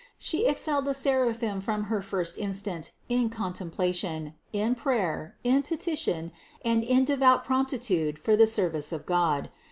She excelled the seraphim from her first instant in contemplation, in prayer, in petition, and in devout promptitude for the service of God.